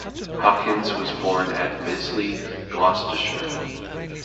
Hawkins was born at Bisley, Gloucestershire.